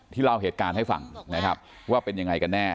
เล่าเหตุการณ์ให้ฟังนะครับว่าเป็นยังไงกันแน่